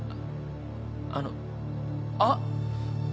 あのあっ！